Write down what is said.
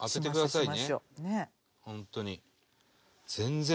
ホントに。